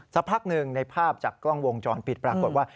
สักพักหนึ่งในภาพจากกล้องวงจรปิดปรากฏว่า